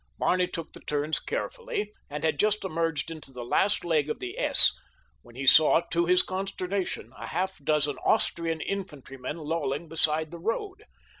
Barney took the turns carefully and had just emerged into the last leg of the S when he saw, to his consternation, a half dozen Austrian infantrymen lolling beside the road.